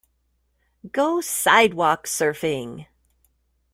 Go Sidewalk Surfing!